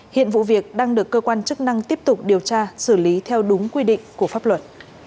hiện vụ việc đang được cơ quan chức năng tiếp tục điều tra xử lý theo đúng quy định của pháp luật